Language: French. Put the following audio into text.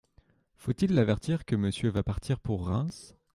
Faut-il l’avertir que Monsieur va partir pour Reims ?